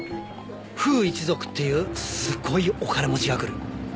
フウ一族っていうすごいお金持ちが来る。